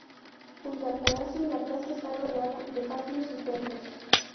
Junto al palacio, la plaza está rodeada de patios y templos.